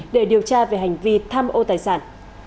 để điều tra về hành vi tham ô tài sản